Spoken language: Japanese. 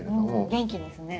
元気ですね。